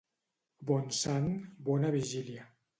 Bon sant, bona vigília.